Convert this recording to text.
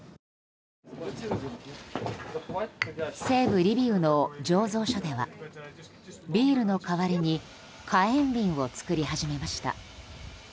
西部リビウの醸造所ではビールの代わりに火炎瓶を作り始めました。